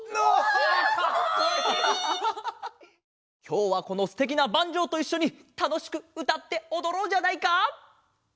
きょうはこのすてきなバンジョーといっしょにたのしくうたっておどろうじゃないか！